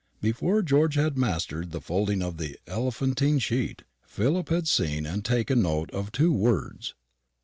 Before George had mastered the folding of the elephantine sheet, Philip had seen and taken note of two words.